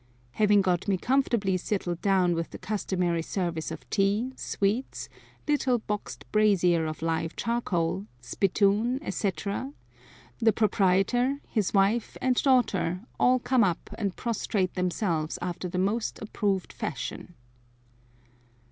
Having got me comfortably settled down with the customary service of tea, sweets, little boxed brazier of live charcoal, spittoon, etc., the proprietor, his wife, and daughter, all come up and prostrate themselves after the most approved fashion.